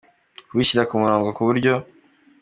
kubishyira ku murongo ku buryo